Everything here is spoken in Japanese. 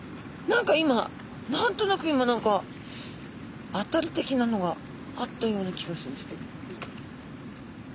何となく今何かアタリ的なのがあったような気がするんですけど。